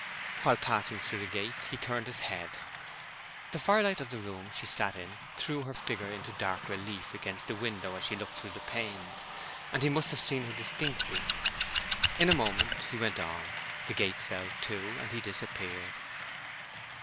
While passing through the gate he turned his head. The firelight of the room she sat in threw her figure into dark relief against the window as she looked through the panes, and he must have seen her distinctly. In a moment he went on, the gate fell to, and he disappeared.